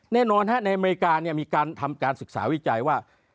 แน่นอนในอเมริกามีการทำการศึกษาวิจัยว่า